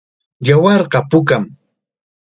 Yawarqa pukam.